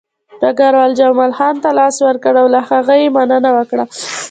ډګروال جمال خان ته لاس ورکړ او له هغه یې مننه وکړه